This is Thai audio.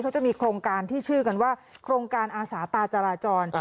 เขาจะมีโครงการที่ชื่อกันว่าโครงการอาสาตาจราจร